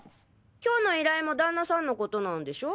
今日の依頼も旦那さんのことなんでしょう？